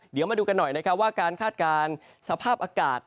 เดี๋ยวมาดูกันหน่อยนะครับว่าการคาดการณ์สภาพอากาศ